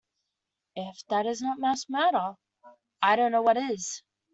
If that's not mass murder, I don't know what is.